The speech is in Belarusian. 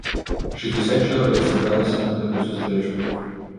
Шэсцьдзесят чалавек сабралася на гэтую сустрэчу!